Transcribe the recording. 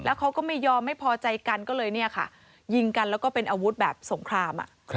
เขาก็ไม่ยอมไม่พอใจกันก็เลยเนี่ยค่ะยิงกันแล้วก็เป็นอาวุธแบบสงคราม